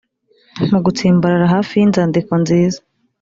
mugutsimbarara hafi yinzandiko nziza.